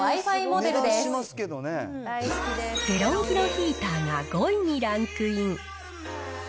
デロンギのヒーターが５位にランクイン。